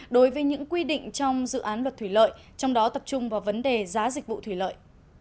đối với những quy định trong dự án luật thủy lợi trong đó tập trung vào vấn đề giá dịch vụ thủy lợi